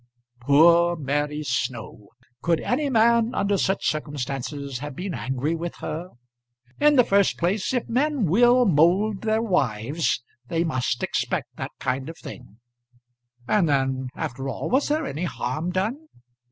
Poor Mary Snow! Could any man under such circumstances have been angry with her? In the first place if men will mould their wives, they must expect that kind of thing; and then, after all, was there any harm done?